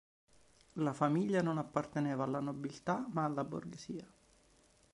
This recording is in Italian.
La famiglia non apparteneva alla nobiltà ma alla borghesia.